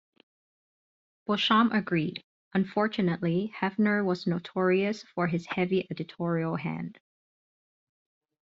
Beauchamp agreed: Unfortunately, Hefner was notorious for his heavy editorial hand.